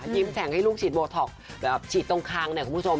ยิ้มแสงให้ลูกฉีดโบท็อกแบบฉีดตรงคางเนี่ยคุณผู้ชม